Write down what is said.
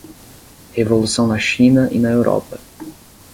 Revolução na China e na Europa